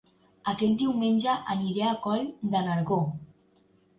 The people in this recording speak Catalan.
Aquest diumenge aniré a Coll de Nargó